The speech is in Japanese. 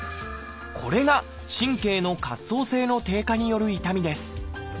これが神経の滑走性の低下による痛みです。